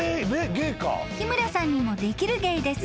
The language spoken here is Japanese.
［日村さんにもできる芸です。